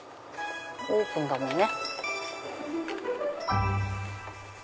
オープンだもんね。